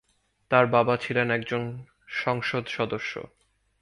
তার বাবা ছিলেন একজন সংসদ সদস্য।